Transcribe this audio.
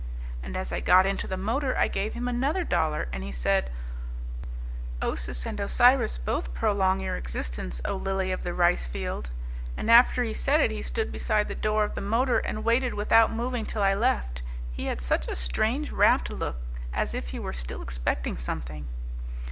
And as I got into the motor I gave him another dollar and he said, 'Osis and Osiris both prolong your existence, O lily of the ricefield,' and after he had said it he stood beside the door of the motor and waited without moving till I left. He had such a strange, rapt look, as if he were still expecting something!"